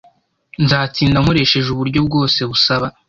Nzatsinda nkoresheje uburyo bwose busaba.